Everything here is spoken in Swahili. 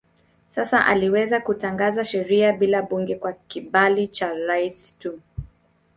Sasa aliweza kutangaza sheria bila bunge kwa kibali cha rais tu.